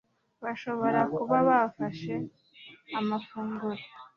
Bashobora kuba bafashe amafunguro